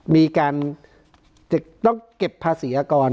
มีการต้องเก็บภาษีอากร